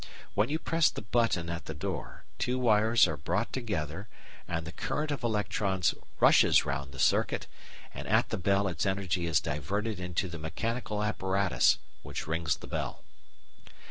When you press the button at the door, two wires are brought together, and the current of electrons rushes round the circuit; and at the bell its energy is diverted into the mechanical apparatus which rings the bell.